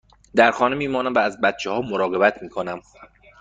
در خانه می مانم و از بچه ها مراقبت می کنم.